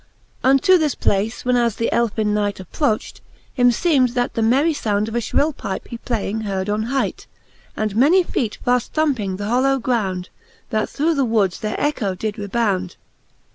X. Unto this place when as the lElfin Knight Approcht, him feemed, that the merry found Of a fhrill pipe he playing heard on hight, And many feete fall thumpmg th' hollow ground, That through the woods their ecchb did rebound.